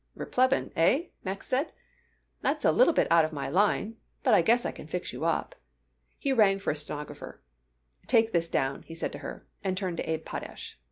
"Replevin, hey?" Max said. "That's a little out of my line, but I guess I can fix you up." He rang for a stenographer. "Take this down," he said to her, and turned to Abe Potash.